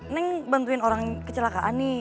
neng bantuin orang kecelakaan nih